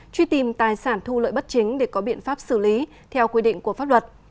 truy tìm tài sản thu lợi bất chính để có biện pháp xử lý theo quy định của pháp luật